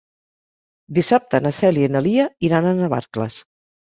Dissabte na Cèlia i na Lia iran a Navarcles.